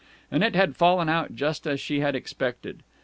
And it had fallen out just as she had expected.